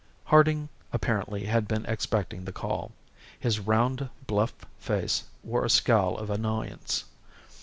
Harding apparently had been expecting the call. His round bluff face wore a scowl of annoyance.